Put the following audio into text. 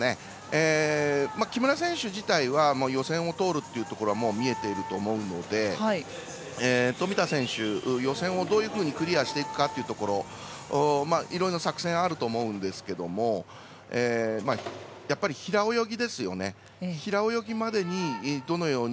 木村選手自体は予選を通るというところはもう見えていると思うので富田選手、予選をどういうふうにクリアしていくかというところいろいろな作戦があると思うんですけれどもやっぱり平泳ぎですよね。